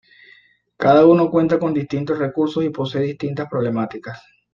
Cada uno cuenta con distintos recursos y posee distintas problemáticas.